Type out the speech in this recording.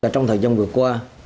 trong thời gian vừa qua